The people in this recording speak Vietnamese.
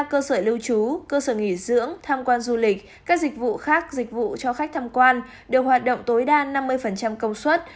một mươi cơ sở lưu trú cơ sở nghỉ dưỡng tham quan du lịch các dịch vụ khác dịch vụ cho khách tham quan đều hoạt động tối đa năm mươi công suất